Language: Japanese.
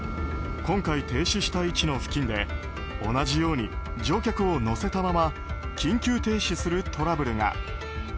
今回停止した位置の付近で同じように乗客を乗せたまま緊急停止するトラブルが。